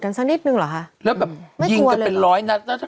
กันสักนิดหนึ่งหรือฮะแล้วแบบจิงกันเป็นร้อยนัด